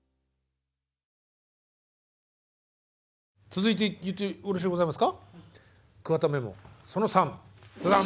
続いてよろしゅうございますか？